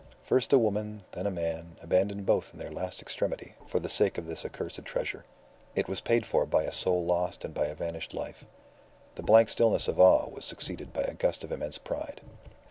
First a woman, then a man, abandoned both in their last extremity, for the sake of this accursed treasure. It was paid for by a soul lost and by a vanished life. The blank stillness of awe was succeeded by a gust of immense pride.